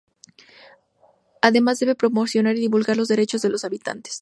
Además, debe promocionar y divulgar los derechos de los habitantes.